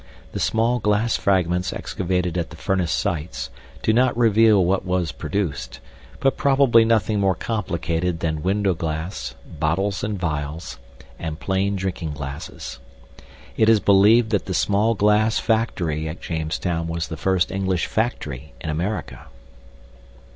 The small glass fragments excavated at the furnace sites do not reveal what was produced, but probably nothing more complicated than window glass, bottles and vials, and plain drinking glasses. It is believed that the small glass factory at Jamestown was the first English "factory" in America.